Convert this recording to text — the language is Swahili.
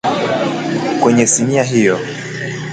Kwenye sinia hiyo